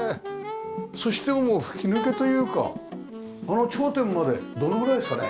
そして吹き抜けというかあの頂点までどのぐらいですかね？